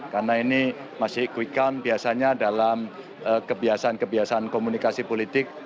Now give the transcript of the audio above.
karena ini masih quick count biasanya dalam kebiasaan kebiasaan komunikasi politik